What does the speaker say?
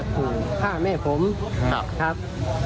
เขาโทรมาจากฝั่งข้าแม่ผม